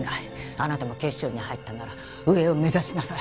あなたも警視庁に入ったなら上を目指しなさい。